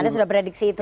anda sudah prediksi itu